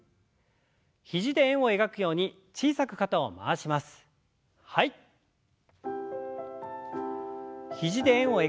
肘で円を描くように小さく肩を回しましょう。